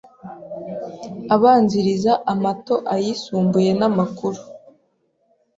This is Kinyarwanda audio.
abanziriza amato ayisumbuye n amakuru